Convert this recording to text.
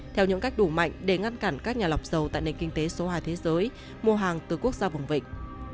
theo những cách đủ mạnh để ngăn cản các nhà lọc dầu tại nền kinh tế số hai thế giới mua hàng từ quốc gia vùng vịnh